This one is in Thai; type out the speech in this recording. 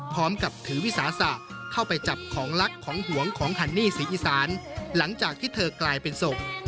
พร้อมกับถือวิสาสะเข้าไปจับของลักของหวงของฮันนี่ศรีอีสานหลังจากที่เธอกลายเป็นศพ